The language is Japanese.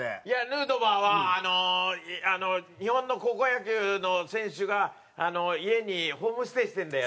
ヌートバーはあの日本の高校野球の選手が家にホームステイしてるんだよね。